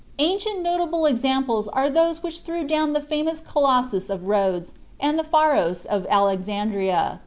Ancient notable examples are those which threw down the famous Colossus of Rhodes and the Pharos of Alexandria.